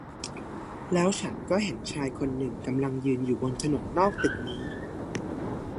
แล้วฉันก็เห็นชายคนหนึ่งกำลังยืนอยู่บนถนนนอกตึกนี้